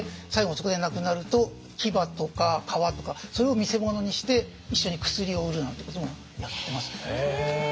そこで亡くなると牙とか皮とかそれを見せ物にして一緒に薬を売るなんてこともやってますね。